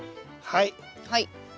はい。